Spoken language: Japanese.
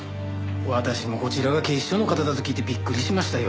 私もこちらが警視庁の方だと聞いてびっくりしましたよ。